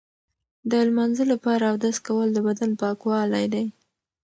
د لمانځه لپاره اودس کول د بدن پاکوالی دی.